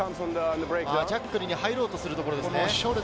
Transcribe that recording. ジャッカルに入ろうとするところですね。